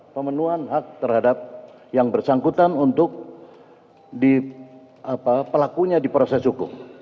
pemenuhan hak terhadap yang bersangkutan untuk pelakunya di proses hukum